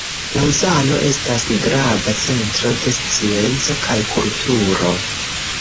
Laŭzano estas grava centro de scienco kaj kulturo.